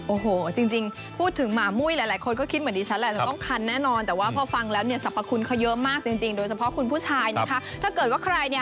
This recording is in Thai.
โอ้โหจริงพูดถึงหมามุ้ยหลายคนก็คิดเหมือนดิฉันแหละ